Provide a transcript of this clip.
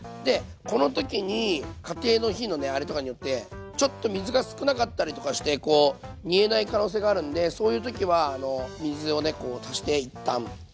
この時に家庭の火のあれとかによってちょっと水が少なかったりとかして煮えない可能性があるんでそういう時は水をこう足して一旦。